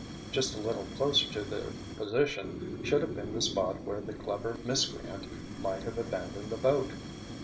Just a little closer to their position, should have been the spot where the clever miscreant might have abandoned the boat.